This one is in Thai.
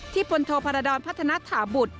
ที่พลโทภารดรพัฒนฐาบุตร